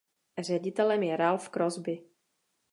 Ředitelem je Ralph Crosby.